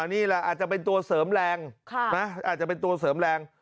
นี่แหละอาจจะเป็นตัวเสริมแรงอาจจะเป็นตัวเสริมแรง